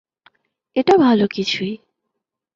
এটা ভালো কিছুই।